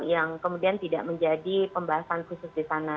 yang kemudian tidak menjadi pembahasan khusus di sana